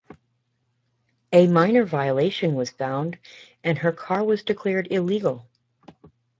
A minor violation was found and her car was declared illegal.